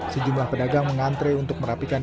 sejumlah pedagang mengantre untuk merapikan